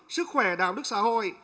sức khỏe đạo đức xã hội